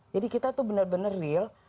jadi kita itu benar benar real